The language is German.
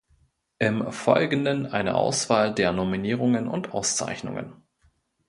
Im Folgenden eine Auswahl der Nominierungen und Auszeichnungen.